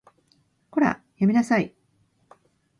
こら、やめなさい